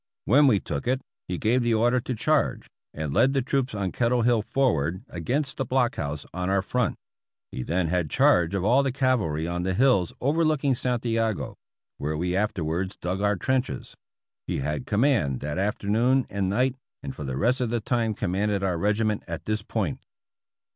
When we took it, he gave the order to charge, and led the troops on Kettle Hill forward against the blockhouse on our front. He then had charge of all the cavalry on the hills overlooking Santiago, where we afterwards dug our trenches. He had command that after noon and night, and for the rest of the time commanded our regiment at this point.